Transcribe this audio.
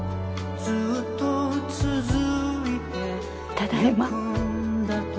ただいま。